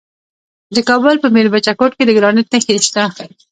د کابل په میربچه کوټ کې د ګرانیټ نښې شته.